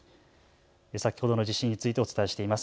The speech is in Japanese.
先ほどの地震についてお伝えしています。